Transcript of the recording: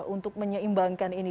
untuk menyeimbangkan ini